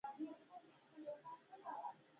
فریدګل پوښتنه وکړه چې د هغه کس ټنډه څنګه ده